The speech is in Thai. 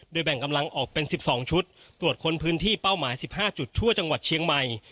แบ่งกำลังออกเป็น๑๒ชุดตรวจค้นพื้นที่เป้าหมาย๑๕จุดทั่วจังหวัดเชียงใหม่